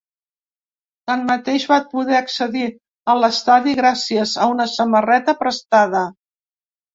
Tanmateix, va poder accedir a l’estadi gràcies a una samarreta prestada.